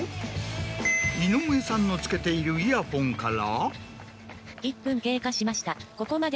井上さんの着けているイヤフォンから。